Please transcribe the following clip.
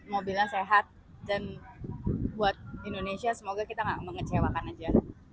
mobilnya sehat dan buat indonesia semoga kita gak mengecewakan aja